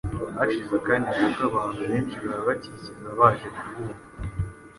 Hashize akanya gato abantu benshi barabakikiza baje kubumva.